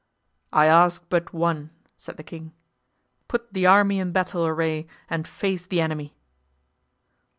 "I ask but one," said the king; "put the army in battle array and face the enemy."